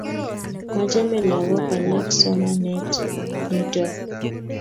Machame lagok alak somanet nitok